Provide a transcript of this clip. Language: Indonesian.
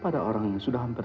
pada orang yang sudah hampir